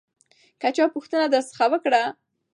که چا پوښتنه درڅخه وکړه